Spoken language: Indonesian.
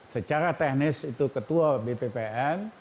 secara teknis itu ketua bppn